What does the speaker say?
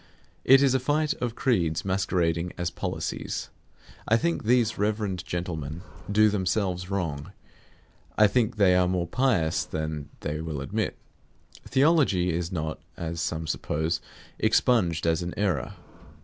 It is a fight of creeds masquerading as policies. I think these reverend gentlemen do themselves wrong; I think they are more pious than they will admit. Theology is not (as some suppose) expunged as an error.